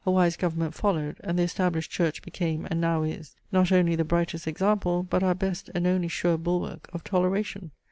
A wise government followed; and the established church became, and now is, not only the brightest example, but our best and only sure bulwark, of toleration!